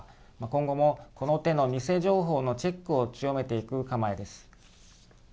今後もこの手の偽情報のチェックを強めていく構えです。